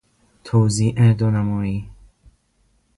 توزیع دو نمایی